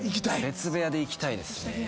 別部屋でいきたいですね。